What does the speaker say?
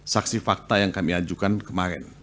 saksi fakta yang kami ajukan kemarin